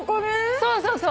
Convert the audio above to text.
そうそうそう。